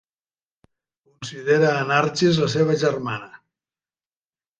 Considera a Nargis la seva germana.